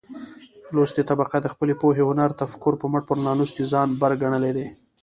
لوستې طبقه د خپلې پوهې، هنر ،تفکر په مټ پر نالوستې ځان بر ګنلى دى.